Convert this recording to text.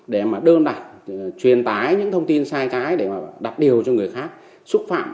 để mà đơn đặt truyền tải những thông tin sai trái để mà đặt điều cho người khác xúc phạm